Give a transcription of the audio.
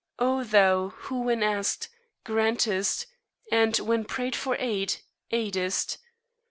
O Thou, who when asked, grantest, and when prayed for aid, aidest!